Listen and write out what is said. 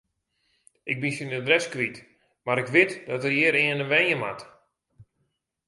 Ik bin syn adres kwyt, mar ik wit dat er hjirearne wenje moat.